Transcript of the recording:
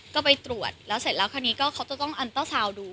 ก็ไปตรวจแล้วเสร็จแล้วคราวนี้ก็เขาจะต้องอันเตอร์ซาวน์ดู